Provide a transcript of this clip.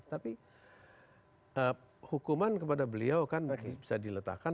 tapi hukuman kepada beliau kan bisa diletakkan